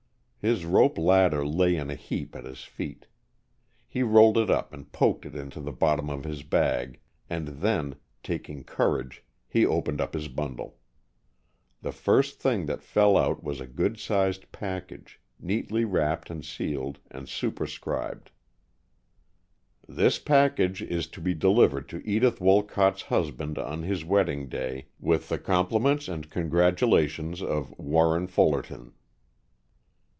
His rope ladder lay in a heap at his feet. He rolled it up and poked it into the bottom of his bag, and then, taking courage, he opened up his bundle. The first thing that fell out was a good sized package, neatly wrapped and sealed, and superscribed, "This package is to be delivered to Edith Wolcott's husband on his wedding day, with the compliments and congratulations of "Warren Fullerton."